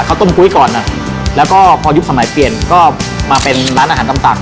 ต้มกุ้ยก่อนอ่ะแล้วก็พอยุคสมัยเปลี่ยนก็มาเป็นร้านอาหารตำสั่ง